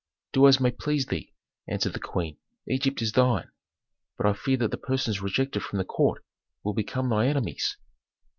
"Do as may please thee," answered the queen. "Egypt is thine. But I fear that the persons rejected from the court will become thy enemies."